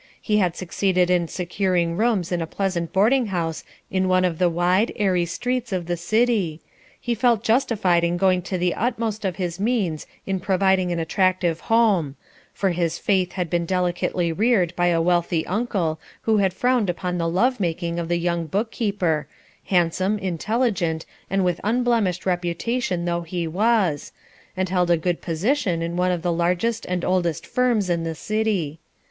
He had succeeded in securing rooms in a pleasant boarding house in one of the wide, airy streets of the city; he felt justified in going to the utmost of his means in providing an attractive home; for his Faith had been delicately reared by a wealthy uncle who had frowned upon the love making of the young bookkeeper, handsome, intelligent, and with unblemished reputation though he was, and held a good position in one of the largest and oldest firms in the city.